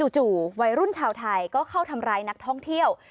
จู่วัยรุ่นชาวไทยก็เข้าทำร้ายนักท่องเที่ยว